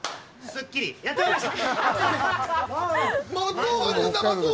『スッキリ』やってまいりました。